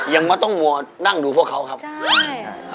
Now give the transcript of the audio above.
ยังไม่ต้องวัวนั่งดูพวกเขาครับ